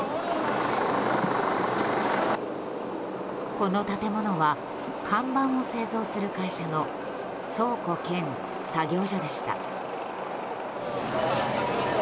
この建物は看板を製造する会社の倉庫兼作業所でした。